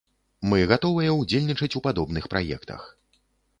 Мы гатовыя ўдзельнічаць у падобных праектах.